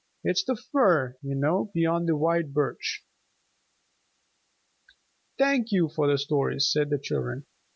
"It's the fir, you know, beyond the white birch." "Thank you for the stories," said the children.